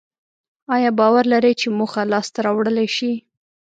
ایا باور لرئ چې موخه لاسته راوړلای شئ؟